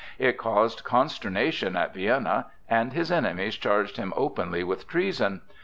It caused consternation at Vienna, and his enemies charged him openly with treason.